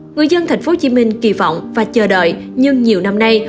người dân tp hcm kỳ vọng và chờ đợi nhưng nhiều năm nay